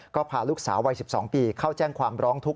ก็พาลูกสาววัย๑๒ปีเข้าแจ้งความร้องทุกข